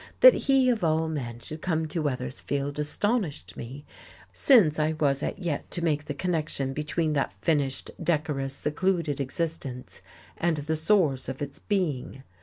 That he, of all men, should come to Weathersfield astonished me, since I was as yet to make the connection between that finished, decorous, secluded existence and the source of its being.